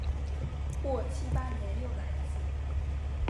过七八年又来一次。